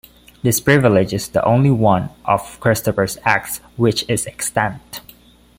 This privilege is the only one of Christopher's acts which is extant.